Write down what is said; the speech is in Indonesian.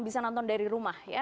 bisa nonton dari rumah ya